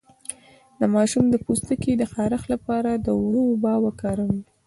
د ماشوم د پوستکي د خارښ لپاره د اوړو اوبه وکاروئ